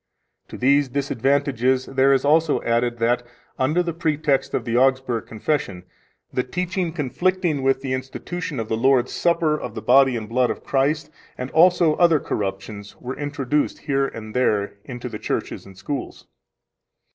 To these disadvantages there is also added that, under the pretext of the Augsburg Confession, the teaching conflicting with the institution of the Holy Supper of the body and blood of Christ and also other corruptions were introduced here and there into the churches and schools.